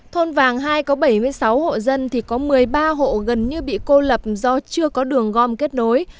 thôn vàng hai có bảy mươi sáu hộ dân thì có một mươi ba hộ gần như bị cô lập do chưa có đường gom kết nối